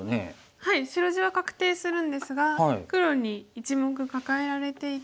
はい白地は確定するんですが黒に１目カカえられていて。